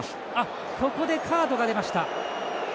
ここでカードが出ました。